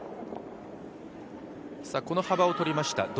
この幅をとりました。